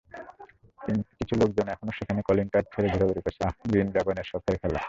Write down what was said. কিছু লোকজন এখনো সেখানে কলিং কার্ড ছেড়ে ঘুরাঘুরি করছে আহ, গ্রিন ড্রাগনের সখ্যার খেলা?